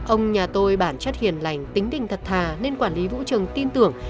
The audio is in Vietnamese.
ông nhà tôi bản chất hiền lành tính đình thật thà nên quản lý vũ trường tin tưởng